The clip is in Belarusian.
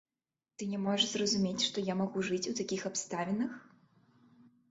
Ты не можаш зразумець, што я магу жыць у такіх абставінах?